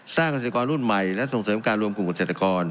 เกษตรกรรุ่นใหม่และส่งเสริมการรวมกลุ่มเกษตรกร